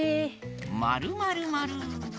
まるまるまる。